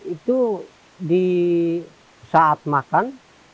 itu di saat makan